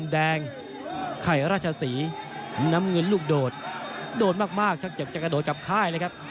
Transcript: แดงไข่ราชศรีน้ำเงินลูกโดดโดดมากช่างเจ็บจะกระโดดกลับค่ายเลยครับ